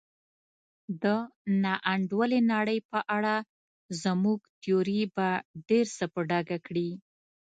د نا انډولې نړۍ په اړه زموږ تیوري به ډېر څه په ډاګه کړي.